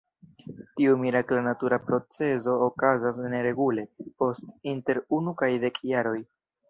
Tiu mirakla natura procezo okazas neregule, post inter unu kaj dek jaroj.